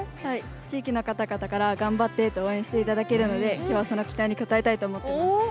地域の方々から頑張ってと応援してもらえるので今日は、その期待に応えたいと思っています。